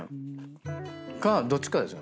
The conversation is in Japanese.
どっちかですよ。